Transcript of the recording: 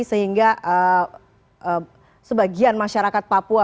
sehingga sebagian masyarakat papua